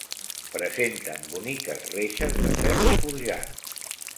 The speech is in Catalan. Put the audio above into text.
Presenten boniques reixes de ferro forjat.